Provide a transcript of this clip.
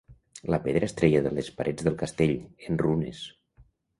La pedra es treia de les parets del castell, en runes.